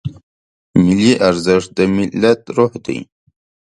ملي ارزښت د ملت روح دی.